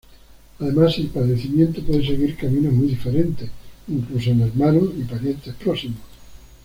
Además el padecimiento puede seguir caminos muy diferentes, incluso en hermanos y parientes próximos.